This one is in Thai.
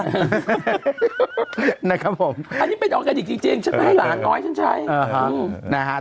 อันนี้เป็นออกว่าหลาดจริงฉันไม่ให้หลานค่อยฉันใช้